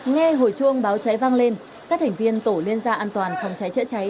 nghe hồi chuông báo cháy vang lên các thành viên tổ liên gia an toàn phòng cháy chữa cháy